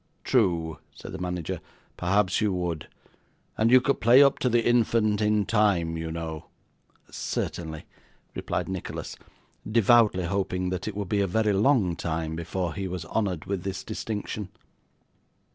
'True,' said the manager. 'Perhaps you would. And you could play up to the infant, in time, you know.' 'Certainly,' replied Nicholas: devoutly hoping that it would be a very long time before he was honoured with this distinction.